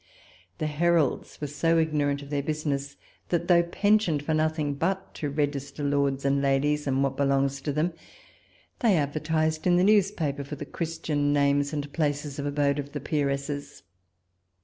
The Heralds were so ignorant of their business, that, though pensioned for nothing but to register lords and ladies, and what belongs to them, they advertised in the newspaper for the Christian names and places of abode of the peeresses.